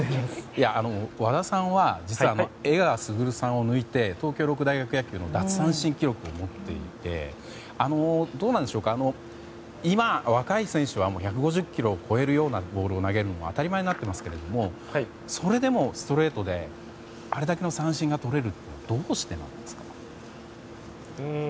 和田さんは、実は江川卓さんを抜いて東京六大学野球の奪三振記録を持っていて今、若い選手は１５０キロを超えるボールを投げるのが当たり前になっていますがそれでもストレートであれだけの三振がとれるのはどうしてなんですかね？